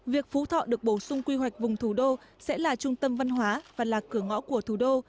việc phú thọ được bổ sung quy hoạch vùng thủ đô sẽ là trung tâm văn hóa và là cửa ngõ của thủ đô